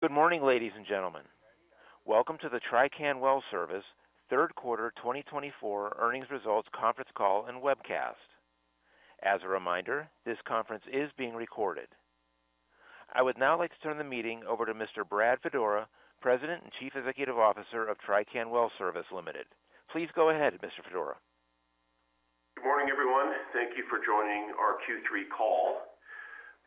Good morning, ladies and gentlemen. Welcome to the Trican Well Service third quarter 2024 earnings results conference call and webcast. As a reminder, this conference is being recorded. I would now like to turn the meeting over to Mr. Brad Fedora, President and Chief Executive Officer of Trican Well Service Limited. Please go ahead, Mr. Fedora. Good morning, everyone. Thank you for joining our Q3 call.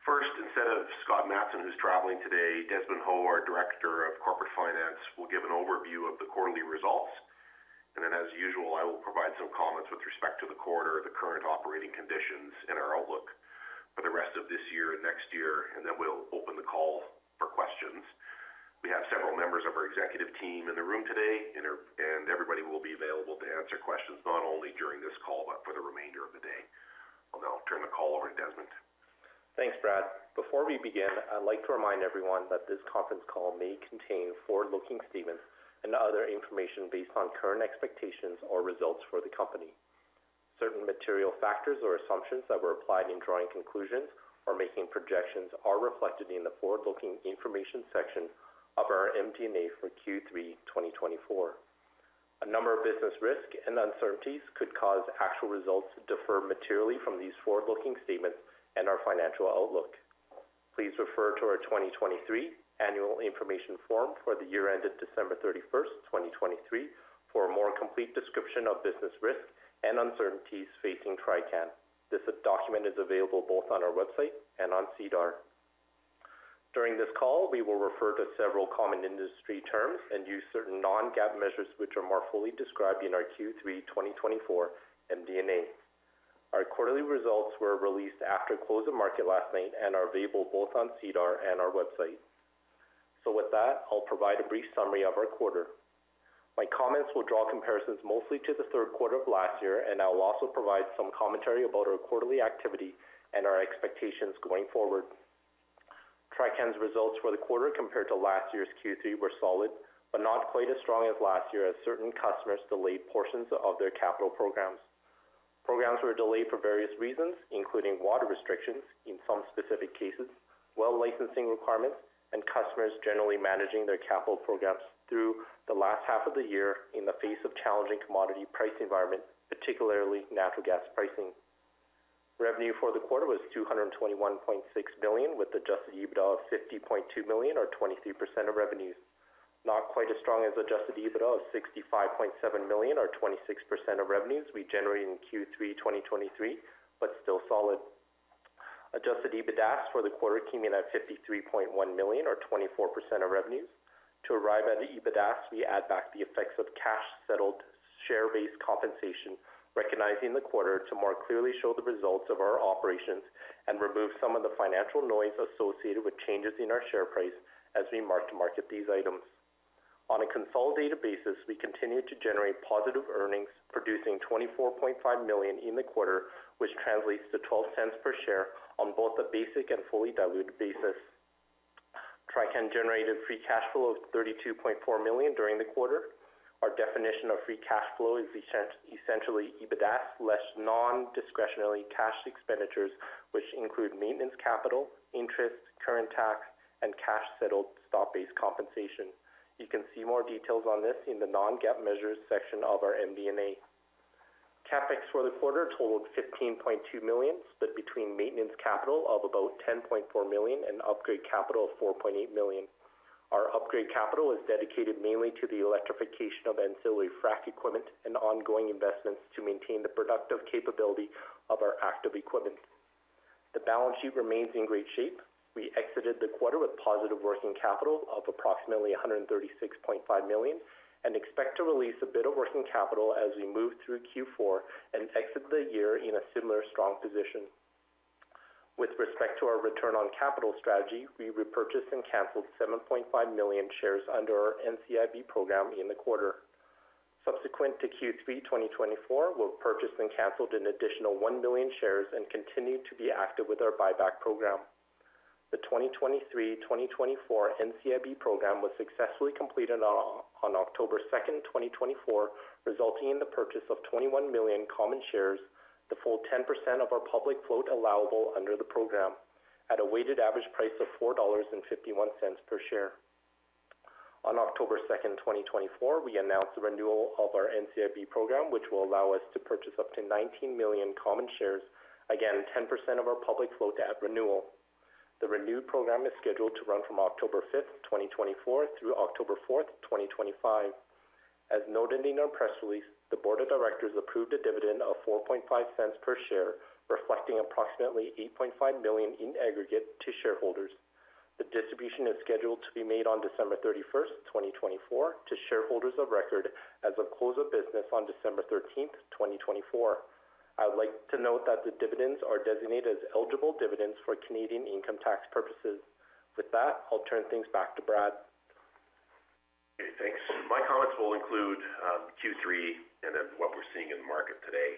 First, instead of Scott Matson, who's traveling today, Desmond Ho, our Director of Corporate Finance, will give an overview of the quarterly results, and then, as usual, I will provide some comments with respect to the quarter, the current operating conditions, and our outlook for the rest of this year and next year, and then we'll open the call for questions. We have several members of our executive team in the room today, and everybody will be available to answer questions not only during this call but for the remainder of the day. I'll now turn the call over to Desmond. Thanks, Brad. Before we begin, I'd like to remind everyone that this conference call may contain forward-looking statements and other information based on current expectations or results for the company. Certain material factors or assumptions that were applied in drawing conclusions or making projections are reflected in the forward-looking information section of our MD&A for Q3 2024. A number of business risks and uncertainties could cause actual results to differ materially from these forward-looking statements and our financial outlook. Please refer to our 2023 annual information form for the year ended December 31st, 2023, for a more complete description of business risks and uncertainties facing Trican. This document is available both on our website and on SEDAR+. During this call, we will refer to several common industry terms and use certain non-GAAP measures which are more fully described in our Q3 2024 MD&A. Our quarterly results were released after closing market last night and are available both on SEDAR+ and our website. So with that, I'll provide a brief summary of our quarter. My comments will draw comparisons mostly to the third quarter of last year, and I'll also provide some commentary about our quarterly activity and our expectations going forward. Trican's results for the quarter compared to last year's Q3 were solid but not quite as strong as last year as certain customers delayed portions of their capital programs. Programs were delayed for various reasons, including water restrictions in some specific cases, well licensing requirements, and customers generally managing their capital programs through the last half of the year in the face of challenging commodity price environment, particularly natural gas pricing. Revenue for the quarter was 221.6 million with Adjusted EBITDA of 50.2 million, or 23% of revenues. Not quite as strong as Adjusted EBITDAS of 65.7 million, or 26% of revenues we generated in Q3 2023, but still solid. Adjusted EBITDA for the quarter came in at 53.1 million, or 24% of revenues. To arrive at the EBITDAS, we add back the effects of cash-settled share-based compensation, recognizing the quarter to more clearly show the results of our operations and remove some of the financial noise associated with changes in our share price as we mark to market these items. On a consolidated basis, we continue to generate positive earnings, producing 24.5 million in the quarter, which translates to 0.12 per share on both a basic and fully diluted basis. Trican generated free cash flow of 32.4 million during the quarter. Our definition of free cash flow is essentially EBITDAS less non-discretionary cash expenditures, which include maintenance capital, interest, current tax, and cash-settled stock-based compensation. You can see more details on this in the non-GAAP measures section of our MD&A. CapEx for the quarter totaled 15.2 million, split between maintenance capital of about 10.4 million and upgrade capital of 4.8 million. Our upgrade capital is dedicated mainly to the electrification of ancillary frac equipment and ongoing investments to maintain the productive capability of our active equipment. The balance sheet remains in great shape. We exited the quarter with positive working capital of approximately 136.5 million and expect to release a bit of working capital as we move through Q4 and exit the year in a similar strong position. With respect to our return on capital strategy, we repurchased and canceled 7.5 million shares under our NCIB program in the quarter. Subsequent to Q3 2024, we purchased and canceled an additional 1 million shares and continue to be active with our buyback program. The 2023-2024 NCIB program was successfully completed on October 2nd, 2024, resulting in the purchase of 21 million common shares, the full 10% of our public float allowable under the program, at a weighted average price of 4.51 dollars per share. On October 2nd, 2024, we announced the renewal of our NCIB program, which will allow us to purchase up to 19 million common shares, again, 10% of our public float at renewal. The renewed program is scheduled to run from October 5th, 2024, through October 4th, 2025. As noted in our press release, the board of directors approved a dividend of 4.50 per share, reflecting approximately 8.5 million in aggregate to shareholders. The distribution is scheduled to be made on December 31st, 2024, to shareholders of record as of close of business on December 13th, 2024. I would like to note that the dividends are designated as eligible dividends for Canadian income tax purposes. With that, I'll turn things back to Brad. Okay, thanks. My comments will include Q3 and then what we're seeing in the market today.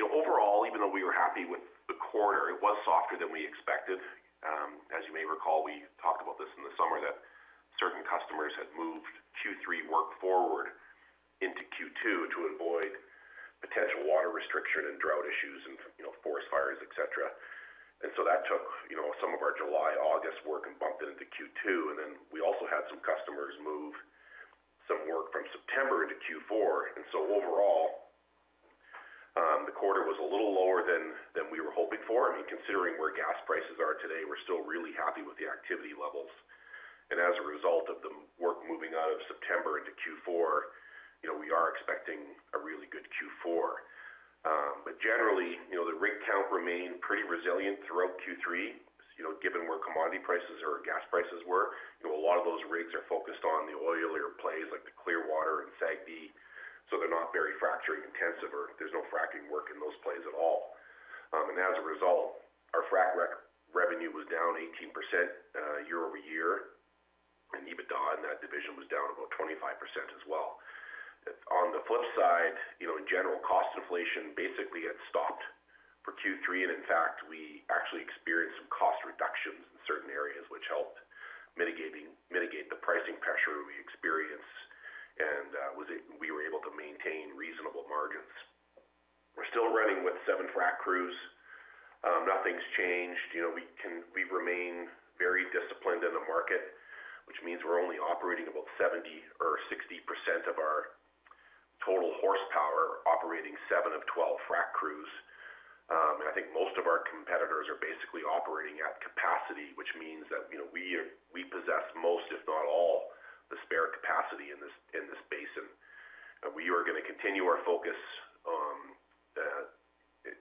Overall, even though we were happy with the quarter, it was softer than we expected. As you may recall, we talked about this in the summer, that certain customers had moved Q3 work forward into Q2 to avoid potential water restriction and drought issues and forest fires, etc. And so that took some of our July, August work and bumped it into Q2. And then we also had some customers move some work from September into Q4. And so overall, the quarter was a little lower than we were hoping for. I mean, considering where gas prices are today, we're still really happy with the activity levels. And as a result of the work moving out of September into Q4, we are expecting a really good Q4. But generally, the rig count remained pretty resilient throughout Q3, given where commodity prices or gas prices were. A lot of those rigs are focused on the oilier plays like the Clearwater and SAGD, so they're not very fracturing intensive or there's no fracking work in those plays at all. And as a result, our frac revenue was down 18% year over year, and EBITDA in that division was down about 25% as well. On the flip side, in general, cost inflation basically had stopped for Q3, and in fact, we actually experienced some cost reductions in certain areas, which helped mitigate the pricing pressure we experienced and we were able to maintain reasonable margins. We're still running with seven frac crews. Nothing's changed. We remain very disciplined in the market, which means we're only operating about 70% or 60% of our total horsepower, operating seven of 12 frac crews. I think most of our competitors are basically operating at capacity, which means that we possess most, if not all, the spare capacity in this basin. We are going to continue our focus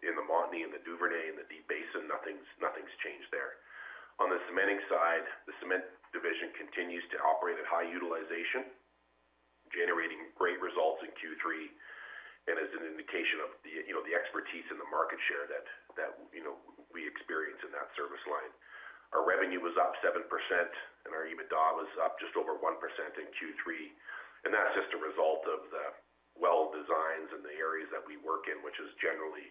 in the Montney and the Duvernay and the Deep Basin. Nothing's changed there. On the cementing side, the cement division continues to operate at high utilization, generating great results in Q3 and as an indication of the expertise and the market share that we experience in that service line. Our revenue was up 7%, and our EBITDA was up just over 1% in Q3. That's just a result of the well designs and the areas that we work in, which is generally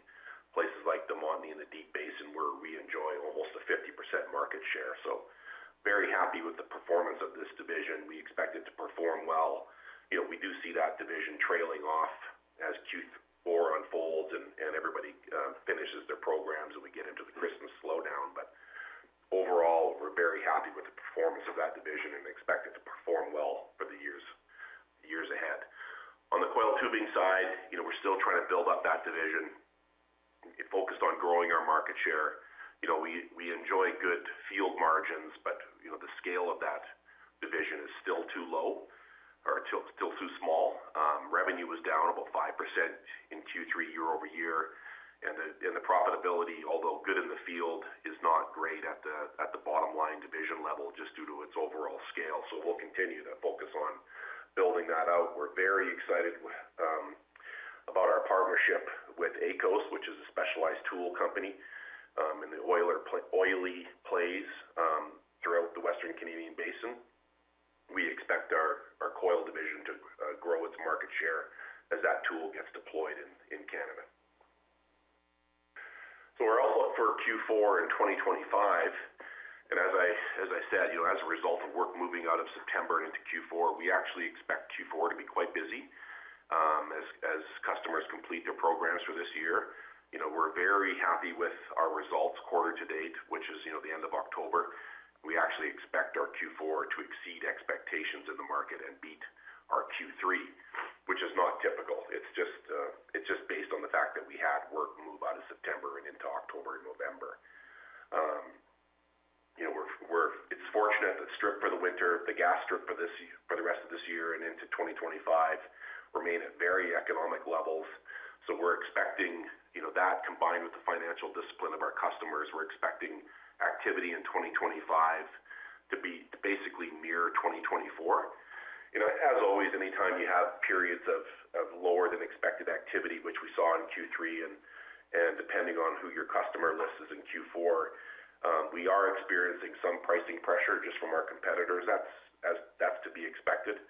places like the Montney and the Deep Basin where we enjoy almost a 50% market share. Very happy with the performance of this division. We expect it to perform well. We do see that division trailing off as Q4 unfolds and everybody finishes their programs and we get into the Christmas slowdown, but overall, we're very happy with the performance of that division and expect it to perform well for the years ahead. On the coil tubing side, we're still trying to build up that division. We focused on growing our market share. We enjoy good field margins, but the scale of that division is still too low or still too small. Revenue was down about 5% in Q3 year over year, and the profitability, although good in the field, is not great at the bottom line division level just due to its overall scale. So we'll continue to focus on building that out. We're very excited about our partnership with ACOS, which is a specialized tool company in the oily plays throughout the Western Canadian Basin. We expect our coil division to grow its market share as that tool gets deployed in Canada. So we're all up for Q4 in 2025. And as I said, as a result of work moving out of September into Q4, we actually expect Q4 to be quite busy as customers complete their programs for this year. We're very happy with our results quarter to date, which is the end of October. We actually expect our Q4 to exceed expectations in the market and beat our Q3, which is not typical. It's just based on the fact that we had work move out of September and into October and November. It's fortunate that strip for the winter, the gas strip for the rest of this year and into 2025, remain at very economic levels. So we're expecting that combined with the financial discipline of our customers. We're expecting activity in 2025 to be basically near 2024. As always, anytime you have periods of lower than expected activity, which we saw in Q3, and depending on who your customer list is in Q4, we are experiencing some pricing pressure just from our competitors. That's to be expected.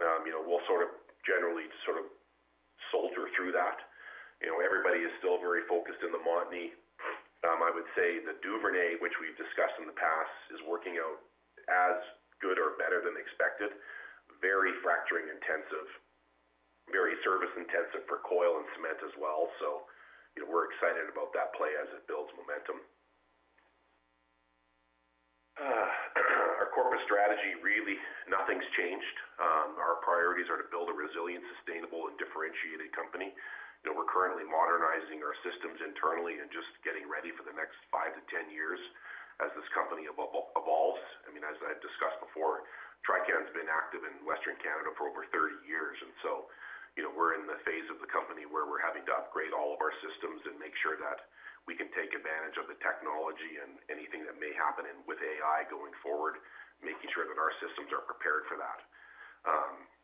We'll sort of generally sort of soldier through that. Everybody is still very focused in the Montney. I would say the Duvernay, which we've discussed in the past, is working out as good or better than expected, very fracturing intensive, very service intensive for coil and cement as well. So we're excited about that play as it builds momentum. Our corporate strategy, really, nothing's changed. Our priorities are to build a resilient, sustainable, and differentiated company. We're currently modernizing our systems internally and just getting ready for the next five to 10 years as this company evolves. I mean, as I've discussed before, Trican's been active in Western Canada for over 30 years. And so we're in the phase of the company where we're having to upgrade all of our systems and make sure that we can take advantage of the technology and anything that may happen with AI going forward, making sure that our systems are prepared for that.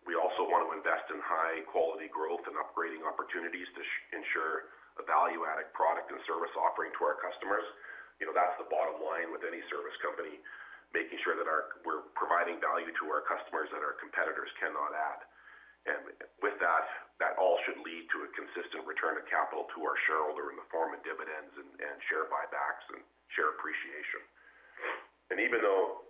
We also want to invest in high-quality growth and upgrading opportunities to ensure a value-added product and service offering to our customers. That's the bottom line with any service company, making sure that we're providing value to our customers that our competitors cannot add. And with that, that all should lead to a consistent return of capital to our shareholder in the form of dividends and share buybacks and share appreciation. Even though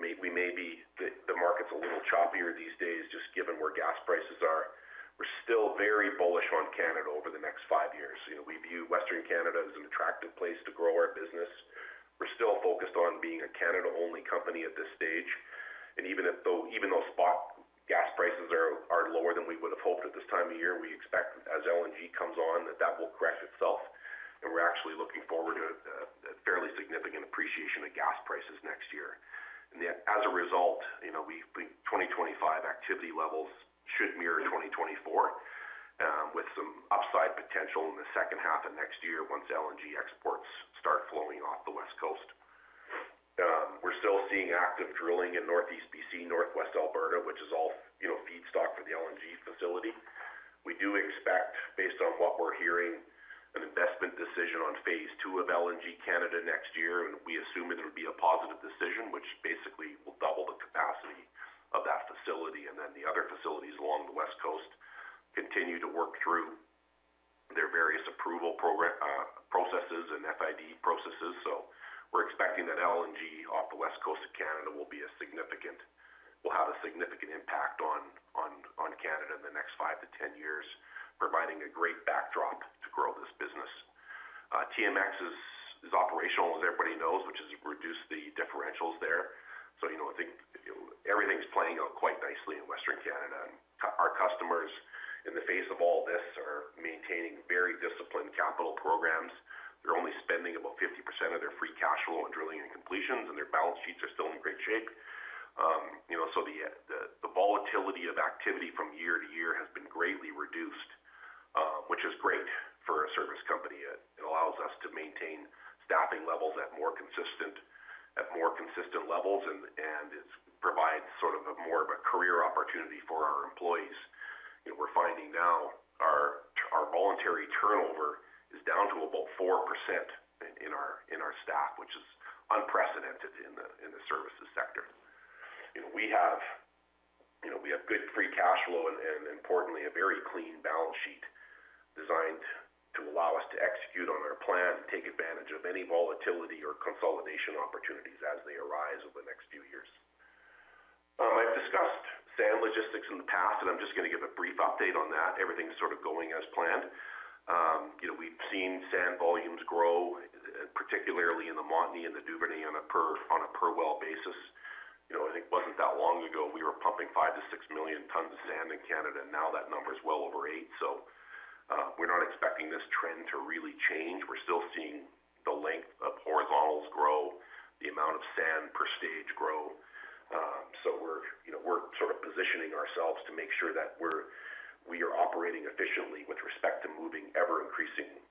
the market's a little choppier these days, just given where gas prices are, we're still very bullish on Canada over the next five years. We view Western Canada as an attractive place to grow our business. We're still focused on being a Canada-only company at this stage. Even though spot gas prices are lower than we would have hoped at this time of year, we expect as LNG comes on that that will correct itself. We're actually looking forward to a fairly significant appreciation of gas prices next year. As a result, 2025 activity levels should mirror 2024 with some upside potential in the second half of next year once LNG exports start flowing off the West Coast. We're still seeing active drilling in Northeast BC, Northwest Alberta, which is all feedstock for the LNG facility. We do expect, based on what we're hearing, an investment decision on phase two of LNG Canada next year. And we assume it would be a positive decision, which basically will double the capacity of that facility. And then the other facilities along the West Coast continue to work through their various approval processes and FID processes. So we're expecting that LNG off the West Coast of Canada will have a significant impact on Canada in the next five to 10 years, providing a great backdrop to grow this business. TMX is operational, as everybody knows, which has reduced the differentials there. So I think everything's playing out quite nicely in Western Canada. And our customers, in the face of all this, are maintaining very disciplined capital programs. They're only spending about 50% of their free cash flow on drilling and completions, and their balance sheets are still in great shape. So the volatility of activity from year to year has been greatly reduced, which is great for a service company. It allows us to maintain staffing levels at more consistent levels, and it provides sort of more of a career opportunity for our employees. We're finding now our voluntary turnover is down to about 4% in our staff, which is unprecedented in the services sector. We have good free cash flow and, importantly, a very clean balance sheet designed to allow us to execute on our plan and take advantage of any volatility or consolidation opportunities as they arise over the next few years. I've discussed sand logistics in the past, and I'm just going to give a brief update on that. Everything's sort of going as planned. We've seen sand volumes grow, particularly in the Montney and the Duvernay on a per well basis. I think it wasn't that long ago, we were pumping five to six million tons of sand in Canada. Now that number is well over eight. So we're not expecting this trend to really change. We're still seeing the length of horizontals grow, the amount of sand per stage grow. So we're sort of positioning ourselves to make sure that we are operating efficiently with respect to moving ever-increasing volumes of sand with a very keen focus on last-mile logistics to make sure that we are moving, transporting sand profitably. Our partnership with Source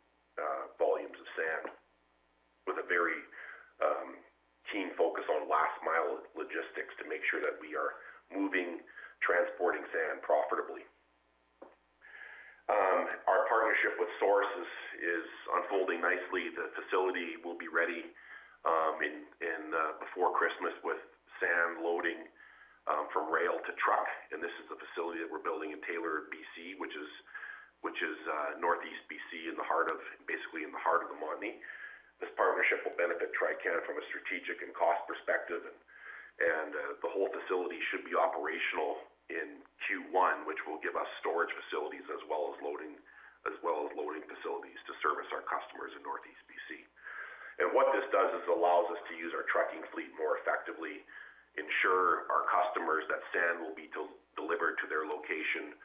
is unfolding nicely. The facility will be ready before Christmas with sand loading from rail to truck. This is the facility that we're building in Taylor, BC, which is Northeast BC, basically in the heart of the Montney. This partnership will benefit Trican from a strategic and cost perspective. The whole facility should be operational in Q1, which will give us storage facilities as well as loading facilities to service our customers in Northeast BC. What this does is allows us to use our trucking fleet more effectively, ensure our customers that sand will be delivered to their location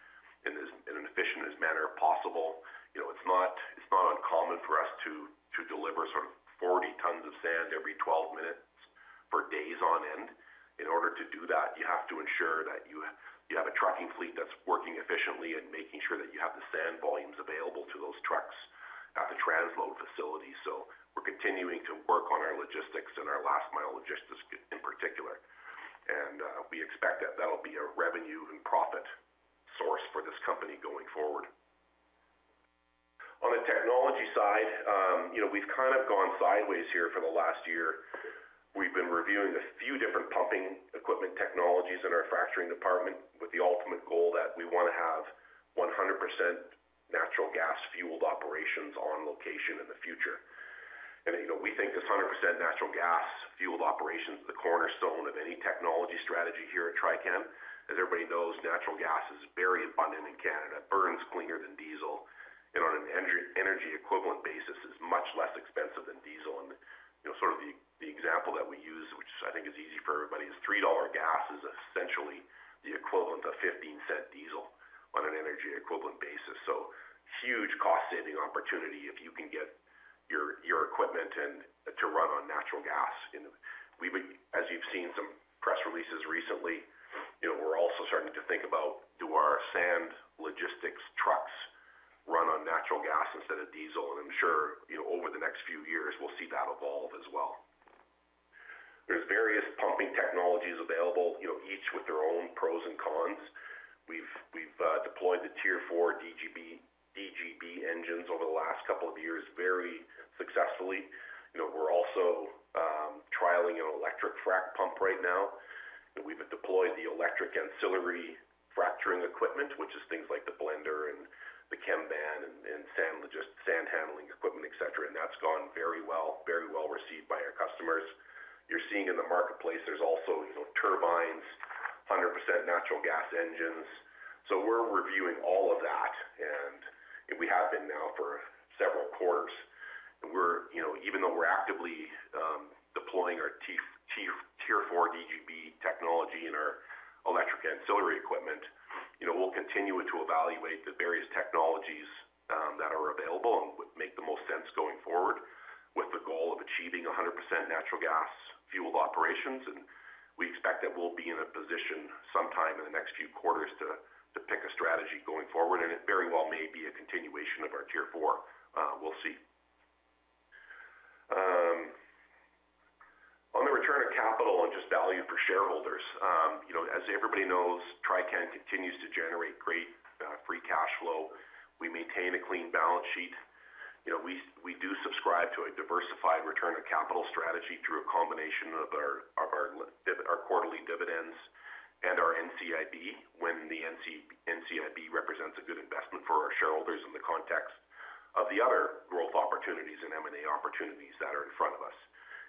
in an efficient manner possible. It's not uncommon for us to deliver sort of 40 tons of sand every 12 minutes for days on end. In order to do that, you have to ensure that you have a trucking fleet that's working efficiently and making sure that you have the sand volumes available to those trucks at the transload facility. So we're continuing to work on our logistics and our last-mile logistics in particular. And we expect that that'll be a revenue and profit source for this company going forward. On the technology side, we've kind of gone sideways here for the last year. We've been reviewing a few different pumping equipment technologies in our fracturing department with the ultimate goal that we want to have 100% natural gas-fueled operations on location in the future. And we think this 100% natural gas-fueled operation is the cornerstone of any technology strategy here at Trican. As everybody knows, natural gas is very abundant in Canada. It burns cleaner than diesel. And on an energy equivalent basis, it's much less expensive than diesel. And sort of the example that we use, which I think is easy for everybody, is $3 gas is essentially the equivalent of $0.15 diesel on an energy equivalent basis. So huge cost-saving opportunity if you can get your equipment to run on natural gas. As you've seen some press releases recently, we're also starting to think about, do our sand logistics trucks run on natural gas instead of diesel? And I'm sure over the next few years, we'll see that evolve as well. There's various pumping technologies available, each with their own pros and cons. We've deployed the Tier 4 DGB engines over the last couple of years very successfully. We're also trialing an electric frac pump right now. We've deployed the electric ancillary fracturing equipment, which is things like the blender and the chem van and sand handling equipment, etc. That's gone very well, very well received by our customers. You're seeing in the marketplace, there's also turbines, 100% natural gas engines. We're reviewing all of that. We have been now for several quarters. Even though we're actively deploying our Tier 4 DGB technology in our electric ancillary equipment, we'll continue to evaluate the various technologies that are available and would make the most sense going forward with the goal of achieving 100% natural gas-fueled operations. We expect that we'll be in a position sometime in the next few quarters to pick a strategy going forward. It very well may be a continuation of our Tier 4. We'll see. On the return of capital and just value for shareholders, as everybody knows, Trican continues to generate great Free Cash Flow. We maintain a clean balance sheet. We do subscribe to a diversified return of capital strategy through a combination of our quarterly dividends and our NCIB when the NCIB represents a good investment for our shareholders in the context of the other growth opportunities and M&A opportunities that are in front of us.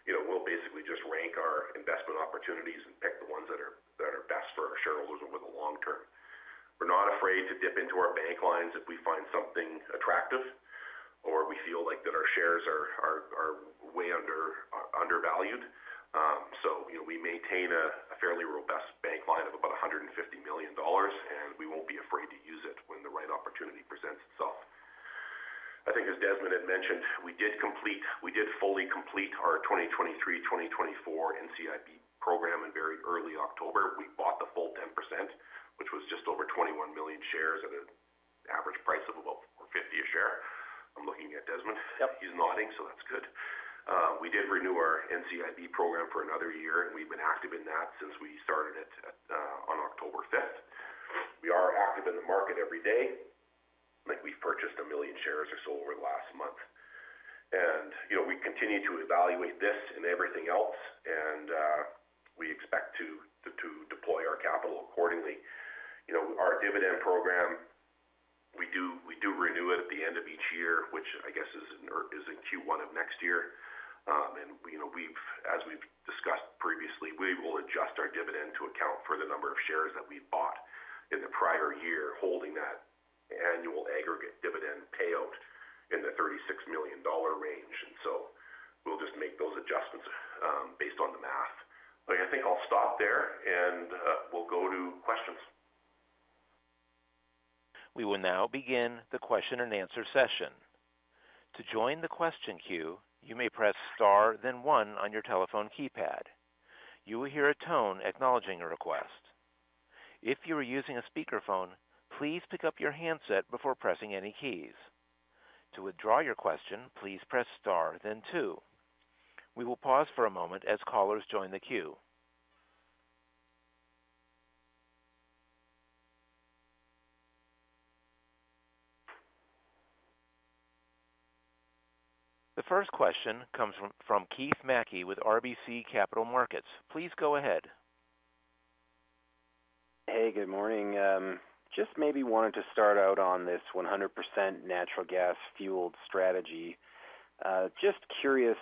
We'll basically just rank our investment opportunities and pick the ones that are best for our shareholders over the long term. We're not afraid to dip into our bank lines if we find something attractive or we feel like that our shares are way undervalued. So we maintain a fairly robust bank line of about 150 million dollars, and we won't be afraid to use it when the right opportunity presents itself. I think, as Desmond had mentioned, we did fully complete our 2023-2024 NCIB program in very early October. We bought the full 10%, which was just over 21 million shares at an average price of about 50 share. I'm looking at Desmond. He's nodding, so that's good. We did renew our NCIB program for another year, and we've been active in that since we started it on October 5th. We are active in the market every day. I think we've purchased a million shares or so over the last month, and we continue to evaluate this and everything else, and we expect to deploy our capital accordingly. Our dividend program, we do renew it at the end of each year, which I guess is in Q1 of next year, and as we've discussed previously, we will adjust our dividend to account for the number of shares that we bought in the prior year, holding that annual aggregate dividend payout in the 36 million dollar range. And so we'll just make those adjustments based on the math. I think I'll stop there, and we'll go to questions. We will now begin the question and answer session. To join the question queue, you may press star, then one on your telephone keypad. You will hear a tone acknowledging a request. If you are using a speakerphone, please pick up your handset before pressing any keys. To withdraw your question, please press star, then two. We will pause for a moment as callers join the queue. The first question comes from Keith Mackey with RBC Capital Markets. Please go ahead. Hey, good morning. Just maybe wanted to start out on this 100% natural gas-fueled strategy. Just curious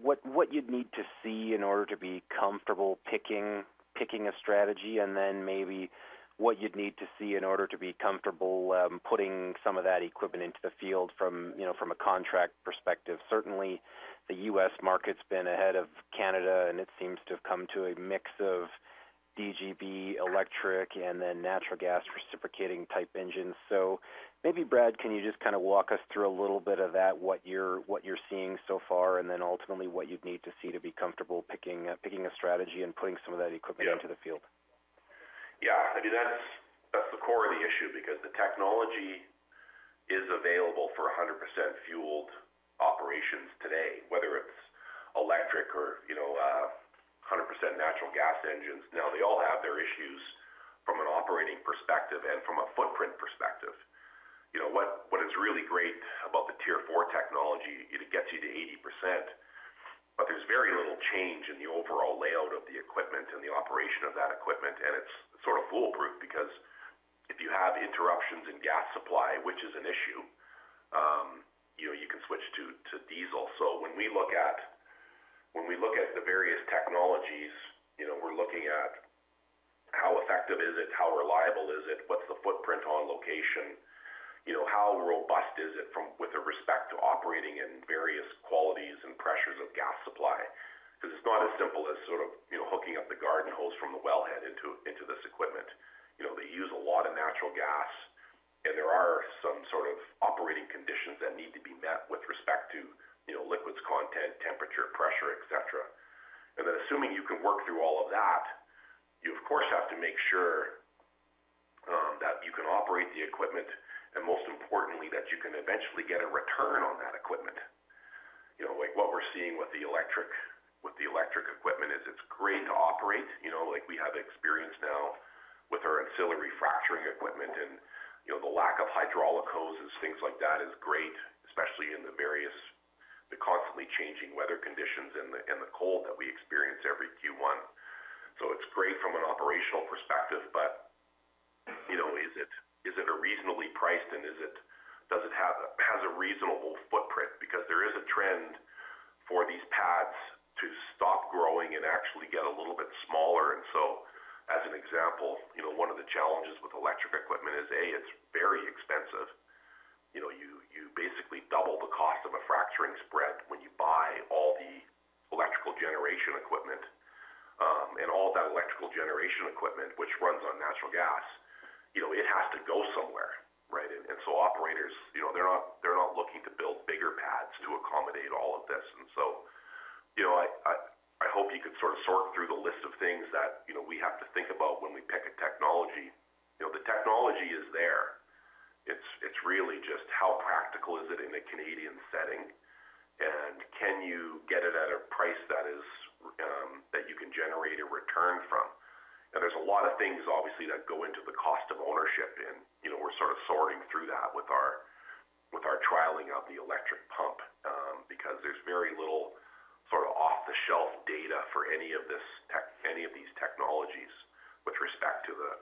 what you'd need to see in order to be comfortable picking a strategy, and then maybe what you'd need to see in order to be comfortable putting some of that equipment into the field from a contract perspective. Certainly, the U.S. market's been ahead of Canada, and it seems to have come to a mix of DGB electric and then natural gas reciprocating type engines. So maybe, Brad, can you just kind of walk us through a little bit of that, what you're seeing so far, and then ultimately what you'd need to see to be comfortable picking a strategy and putting some of that equipment into the field? Yeah. I mean, that's the core of the issue because the technology is available for 100% fueled operations today, whether it's electric or 100% natural gas engines. Now, they all have their issues from an operating perspective and from a footprint perspective. What is really great about the Tier 4 technology? It gets you to 80%, but there's very little change in the overall layout of the equipment and the operation of that equipment. It's sort of foolproof because if you have interruptions in gas supply, which is an issue, you can switch to diesel. So when we look at the various technologies, we're looking at how effective is it, how reliable is it, what's the footprint on location, how robust is it with respect to operating in various qualities and pressures of gas supply. Because it's not as simple as sort of hooking up the garden hose from the wellhead into this equipment. They use a lot of natural gas, and there are some sort of operating conditions that need to be met with respect to liquids content, temperature, pressure, etc., and then assuming you can work through all of that, you, of course, have to make sure that you can operate the equipment, and most importantly, that you can eventually get a return on that equipment. What we're seeing with the electric equipment is it's great to operate. We have experience now with our ancillary fracturing equipment, and the lack of hydraulic hoses, things like that is great, especially in the constantly changing weather conditions and the cold that we experience every Q1, so it's great from an operational perspective, but is it a reasonably priced, and does it have a reasonable footprint, because there is a trend for these pads to stop growing and actually get a little bit smaller. As an example, one of the challenges with electric equipment is, A, it's very expensive. You basically double the cost of a fracturing spread when you buy all the electrical generation equipment. All that electrical generation equipment, which runs on natural gas, it has to go somewhere, right? Operators, they're not looking to build bigger pads to accommodate all of this. I hope you could sort of sort through the list of things that we have to think about when we pick a technology. The technology is there. It's really just how practical is it in a Canadian setting, and can you get it at a price that you can generate a return from? And there's a lot of things, obviously, that go into the cost of ownership, and we're sort of sorting through that with our trialing of the electric pump because there's very little sort of off-the-shelf data for any of these technologies with respect to the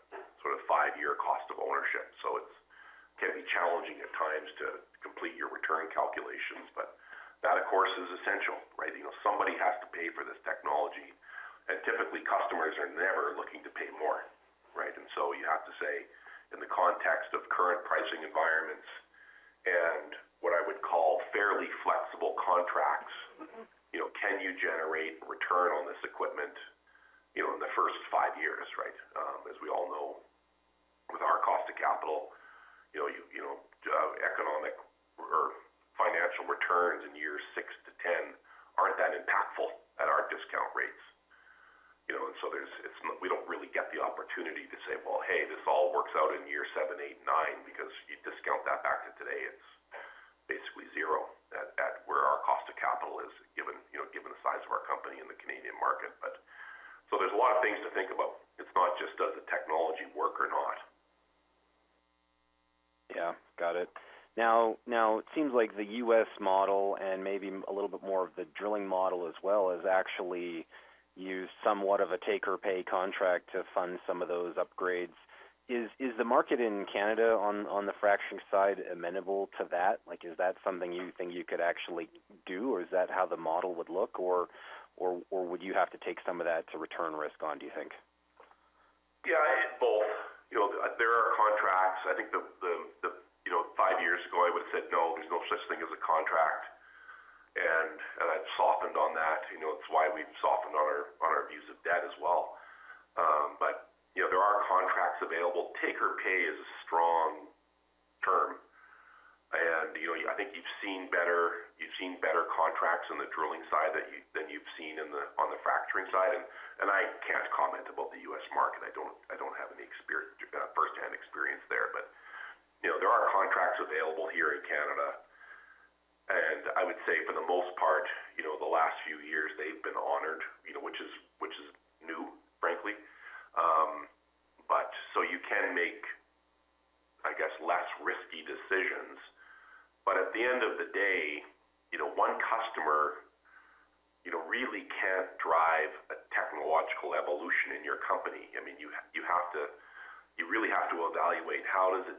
sort of five-year cost of ownership. So it can be challenging at times to complete your return calculations, but that, of course, is essential, right? Somebody has to pay for this technology, and typically, customers are never looking to pay more, right? And so you have to say, in the context of current pricing environments and what I would call fairly flexible contracts, can you generate a return on this equipment in the first five years, right? As we all know, with our cost of capital, economic or financial returns in years six to 10 aren't that impactful at our discount rates. And so we don't really get the opportunity to say, "Well, hey, this all works out in year seven, eight, nine," because you discount that back to today. It's basically zero at where our cost of capital is, given the size of our company in the Canadian market. But so there's a lot of things to think about. It's not just, does the technology work or not. Yeah. Got it. Now, it seems like the U.S. model and maybe a little bit more of the drilling model as well has actually used somewhat of a take-or-pay contract to fund some of those upgrades. Is the market in Canada on the fracturing side amenable to that? Is that something you think you could actually do, or is that how the model would look, or would you have to take some of that to return risk on, do you think? Yeah. Both. There are contracts. I think five years ago, I would have said, "No, there's no such thing as a contract," and I've softened on that. It's why we've softened on our views of debt as well. But there are contracts available. Take-or-pay is a strong term. And I think you've seen better contracts on the drilling side than you've seen on the fracturing side. And I can't comment about the US market. I don't have any firsthand experience there. But there are contracts available here in Canada. And I would say, for the most part, the last few years, they've been honored, which is new, frankly. So you can make, I guess, less risky decisions. But at the end of the day, one customer really can't drive a technological evolution in your company. I mean, you really have to evaluate how does it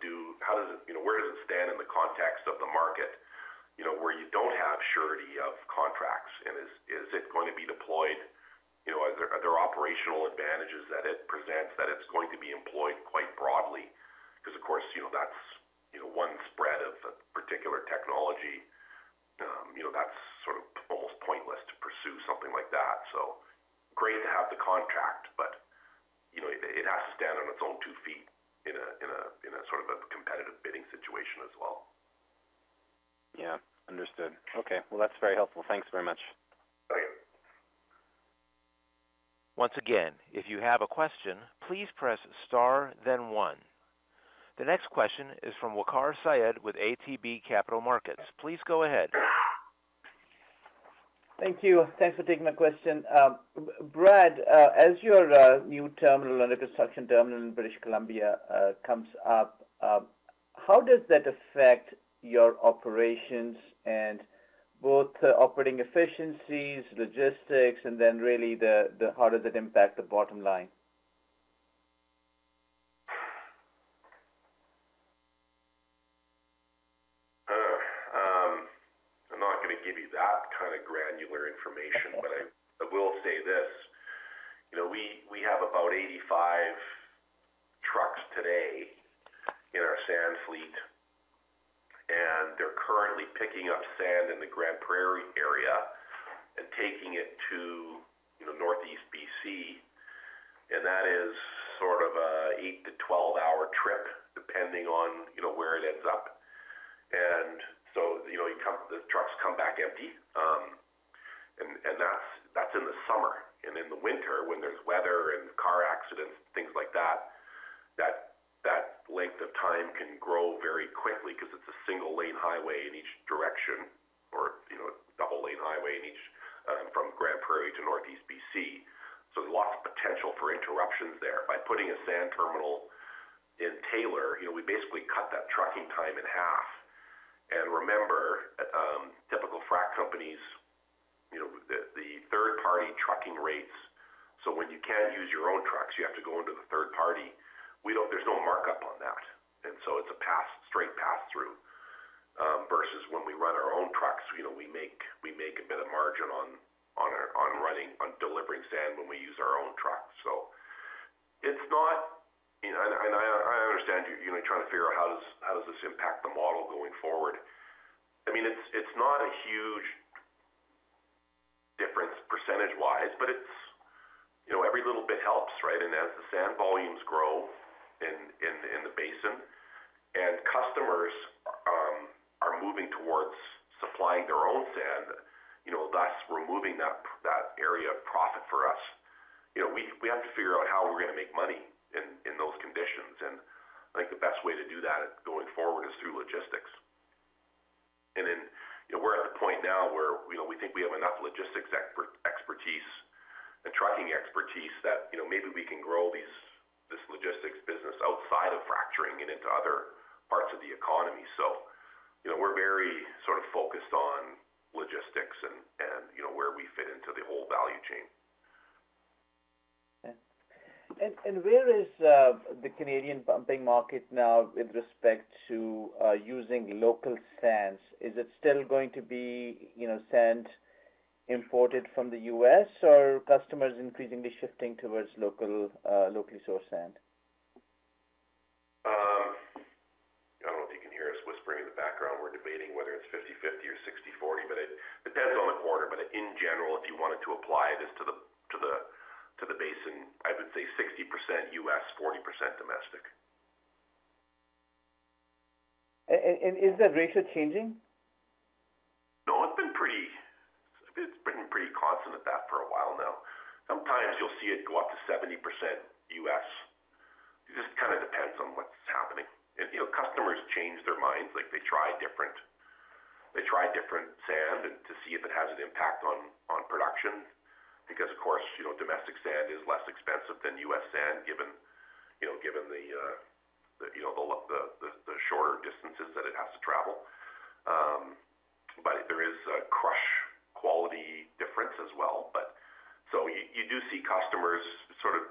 do, how does it, where does it stand in the context of the market where you don't have surety of contracts? And is it going to be deployed? Are there operational advantages that it presents that it's going to be employed quite broadly? Because, of course, that's one spread of a particular technology. That's sort of almost pointless to pursue something like that. So great to have the contract, but it has to stand on its own two feet in a sort of a competitive bidding situation as well. Yeah. Understood. Okay. Well, that's very helpful. Thanks very much. Thank you. Once again, if you have a question, please press star, then one. The next question is from Waqar Syed with ATB Capital Markets. Please go ahead. Thank you. Thanks for taking my question. Brad, as your new terminal, under construction terminal in British Columbia, comes up, how does that affect your operations and both operating efficiencies, logistics, and then really how does it impact the bottom line? I'm not going to give you that kind of granular information, but I will say this. We have about 85 trucks today in our sand fleet, and they're currently picking up sand in the Grande Prairie area and taking it to Northeast BC. And that is sort of an 8-12-hour trip, depending on where it ends up. And so the trucks come back empty, and that's in the summer. And in the winter, when there's weather sand volumes grow in the basin and customers are moving towards supplying their own sand, thus removing that area of profit for us, we have to figure out how we're going to make money in those conditions. And I think the best way to do that going forward is through logistics. And then we're at the point now where we think we have enough logistics expertise and trucking expertise that maybe we can grow this logistics business outside of fracturing and into other parts of the economy. So we're very sort of focused on logistics and where we fit into the whole value chain. And where is the Canadian pumping market now with respect to using local sands? Is it still going to be sand imported from the U.S., or are customers increasingly shifting towards locally sourced sand? I don't know if you can hear us whispering in the background. We're debating whether it's 50/50 or 60/40, but it depends on the quarter. But in general, if you wanted to apply this to the basin, I would say 60% US, 40% domestic. And is that ratio changing? No, it's been pretty constant at that for a while now. Sometimes you'll see it go up to 70% US. It just kind of depends on what's happening. And customers change their minds. They try different sand to see if it has an impact on production because, of course, domestic sand is less expensive than US sand given the shorter distances that it has to travel. But there is a crush quality difference as well. So you do see customers sort of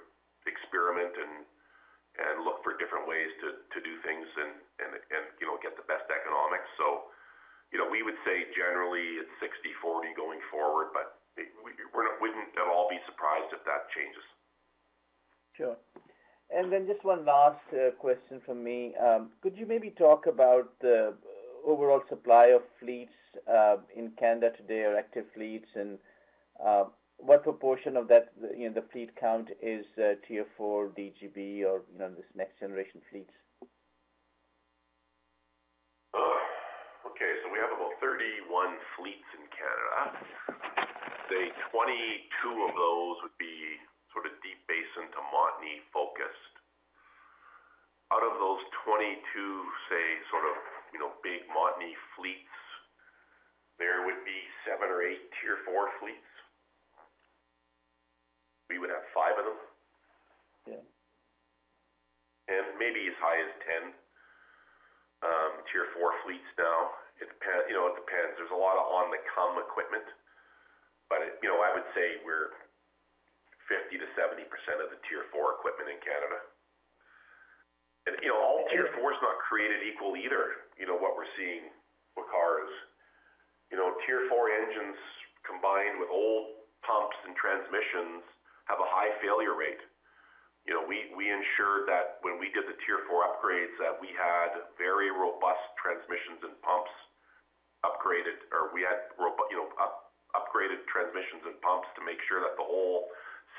experiment and look for different ways to do things and get the best economics. So we would say, generally, it's 60/40 going forward, but we wouldn't at all be surprised if that changes. Sure. And then just one last question from me. Could you maybe talk about the overall supply of fleets in Canada today, or active fleets, and what proportion of the fleet count is Tier 4 DGB or this next-generation fleets? Okay. So we have about 31 fleets in Canada. Say 22 of those would be sort of Deep Basin to Montney focused. Out of those 22, say, sort of big Montney fleets, there would be seven or eight Tier 4 fleets. We would have five of them. And maybe as high as 10 Tier 4 fleets now. It depends. There's a lot of on-the-come equipment, but I would say we're 50%-70% of the Tier 4 equipment in Canada. And all Tier 4 is not created equal either. What we're seeing with Cat, Tier 4 engines combined with old pumps and transmissions have a high failure rate. We ensured that when we did the Tier 4 upgrades that we had very robust transmissions and pumps upgraded, or we had upgraded transmissions and pumps to make sure that the whole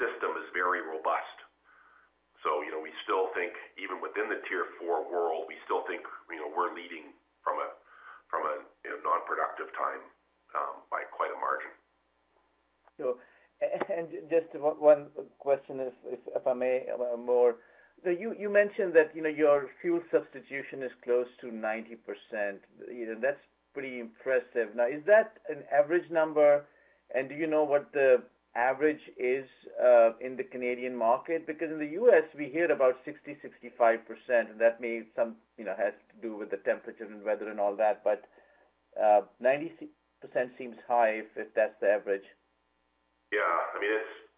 system is very robust. We still think, even within the Tier 4 world, we still think we're leading from a non-productive time by quite a margin. Just one more question, if I may. You mentioned that your fuel substitution is close to 90%. That's pretty impressive. Now, is that an average number? Do you know what the average is in the Canadian market? Because in the U.S., we hear about 60%-65%, and that may have to do with the temperature and weather and all that. 90% seems high if that's the average. Yeah. I mean,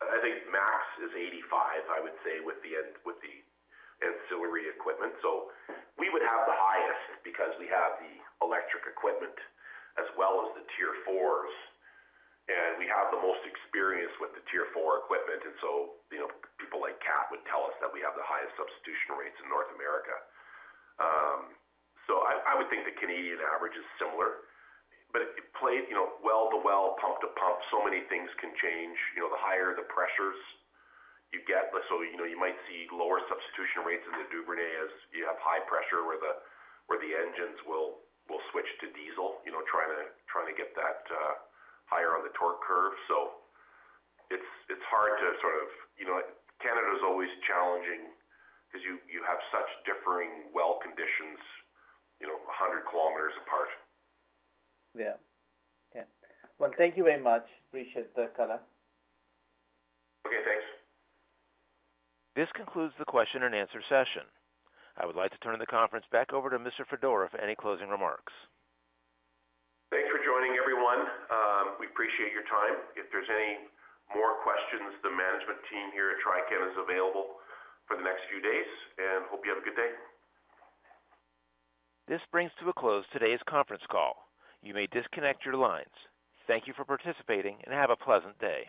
I think max is 85%, I would say, with the ancillary equipment. So we would have the highest because we have the electric equipment as well as the Tier 4s, and we have the most experience with the Tier 4 equipment. And so people like Cat would tell us that we have the highest substitution rates in North America. So I would think the Canadian average is similar, but it varies well to well, pump to pump. So many things can change. The higher the pressures you get, so you might see lower substitution rates in the Duvernay as you have high pressure where the engines will switch to diesel trying to get that higher on the torque curve. So it's hard to sort of. Canada is always challenging because you have such differing well conditions 100 km apart. Yeah. Yeah. Thank you very much. Appreciate the color. Okay. Thanks. This concludes the question and answer session. I would like to turn the conference back over to Mr. Fedora for any closing remarks. Thanks for joining, everyone. We appreciate your time. If there's any more questions, the management team here at Trican is available for the next few days, and hope you have a good day. This brings to a close today's conference call. You may disconnect your lines. Thank you for participating and have a pleasant day.